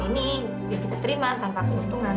ini ya kita terima tanpa keuntungan